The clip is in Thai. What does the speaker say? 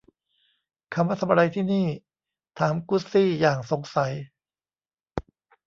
'เขามาทำอะไรที่นี่ ?' ถามกุสซี่อย่างสงสัย